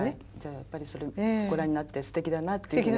やっぱりそれをご覧になってすてきだなっていうふうに。